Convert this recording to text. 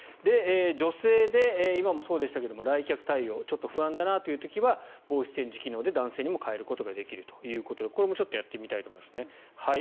女性で今もそうですが来客対応不安だなという時はボイスチェンジ機能で男性の声に変えることができるということでこれもやってみたいと思います。